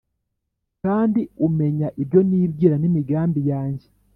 Kandi umenya ibyo Nibwira N’imigambi Yanjye